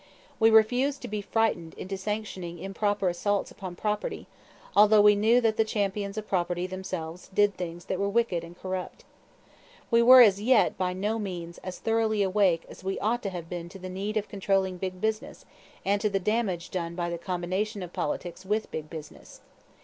We refused to be frightened into sanctioning improper assaults upon property, although we knew that the champions of property themselves did things that were wicked and corrupt. We were as yet by no means as thoroughly awake as we ought to have been to the need of controlling big business and to the damage done by the combination of politics with big business.